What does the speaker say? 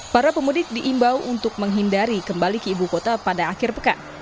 para pemudik diimbau untuk menghindari kembali ke ibu kota pada akhir pekan